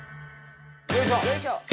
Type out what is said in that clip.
よいしょ。